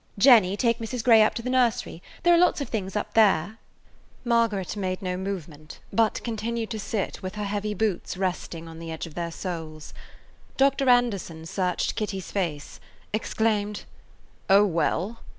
Jenny, take Mrs. Grey up to the nursery. There are lots of things up there." [Page 167] Margaret made no movement, but continued to sit with her heavy boots resting on the edge of their soles. Dr. Anderson searched Kitty's face, exclaimed, "Oh, well!"